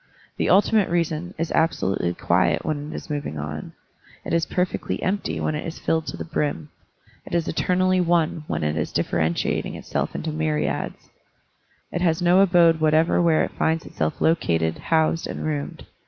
The ultimate reason is absolutely quiet when it is moving on; it is perfectly empty when it is filled to the brim ; it is eternally one when it is differentiating itself into myriads; it has no abode whatever where it finds itself located, housed, and roomed.